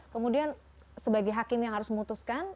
kemudian sebagai hakim yang harus memutuskan